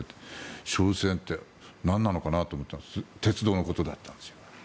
省線ってなんなのかなと思ったら鉄道のことだったんですよ。